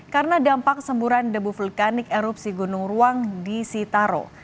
karena dampak semburan debu vulkanik erupsi gunung ruang di sitaro